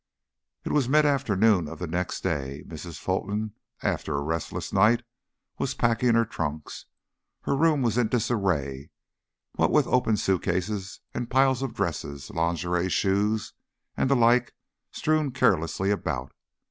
It was midforenoon of the next day. Mrs. Fulton, after a restless night, was packing her trunks; her room was in disarray, what with open suitcases and piles of dresses, lingerie, shoes and the like strewn carelessly about.